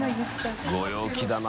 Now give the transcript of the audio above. ご陽気だな。